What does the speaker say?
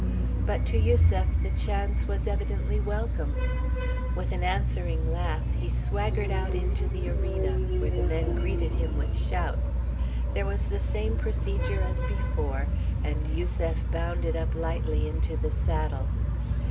But to Yusef the chance was evidently welcome. With an answering laugh, he swaggered out into the arena, where the men greeted him with shouts. There was the same procedure as before, and Yusef bounded up lightly into the saddle.